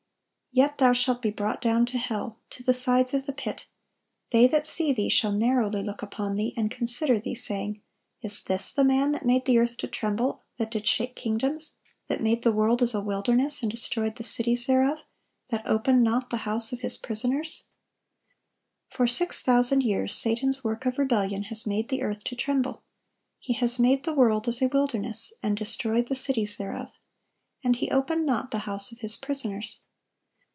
Yet thou shalt be brought down to hell, to the sides of the pit. They that see thee shall narrowly look upon thee, and consider thee, saying, Is this the man that made the earth to tremble, that did shake kingdoms; that made the world as a wilderness, and destroyed the cities thereof; that opened not the house of his prisoners?"(1146) For six thousand years, Satan's work of rebellion has "made the earth to tremble." He has "made the world as a wilderness, and destroyed the cities thereof." And "he opened not the house of his prisoners."